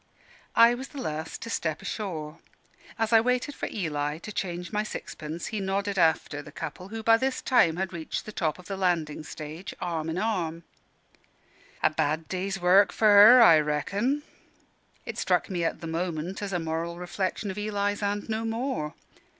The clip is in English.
I was the last to step ashore. As I waited for Eli to change my sixpence, he nodded after the couple, who by this time had reached the top of the landing stage, arm in arm. "A bad day's work for her, I reckon." It struck me at the moment as a moral reflection of Eli's, and no more.